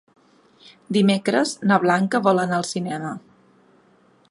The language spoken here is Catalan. Dimecres na Blanca vol anar al cinema.